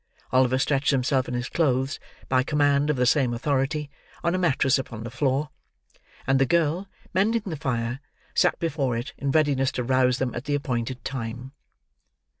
Oliver stretched himself in his clothes, by command of the same authority, on a mattress upon the floor; and the girl, mending the fire, sat before it, in readiness to rouse them at the appointed time.